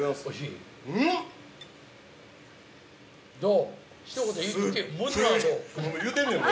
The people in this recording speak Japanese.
うん！